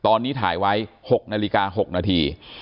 ตอนนี้ถ่ายไว้๖นาฬิกา๖นาที